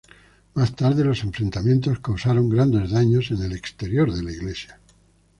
Más tarde los enfrentamientos causaron grandes daños en el exterior de la iglesia.